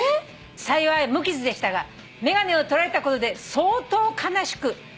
「幸い無傷でしたが眼鏡を取られたことで相当悲しく悔しかったそうです」